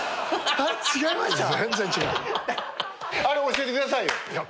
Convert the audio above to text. あれ教えてくださいよ。